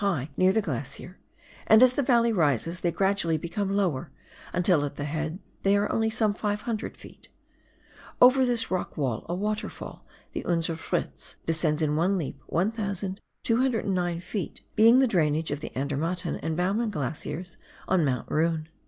liigti near the glacier, and as tlie valley rises they gradually become lower, until at the head they are only some 500 ft. Over this rock wall, a waterfall, the IJnser Fritz, descends in one leaj) 1,209 ft., being the drainage of the Andermatten and Baumann Glaciers on Mount Roon.